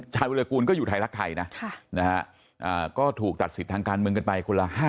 ช่วงเวลานั้นเนี่ยละฮะ